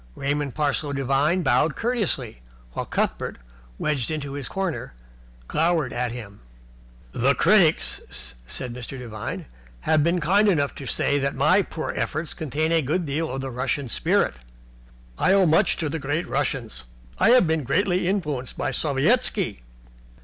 Raymond Parsloe Devine bowed courteously, while Cuthbert, wedged into his corner, glowered at him. "The critics," said Mr. Devine, "have been kind enough to say that my poor efforts contain a good deal of the Russian spirit. I owe much to the great Russians. I have been greatly influenced by Sovietski."